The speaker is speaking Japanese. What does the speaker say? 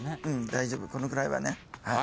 うん大丈夫このぐらいはね。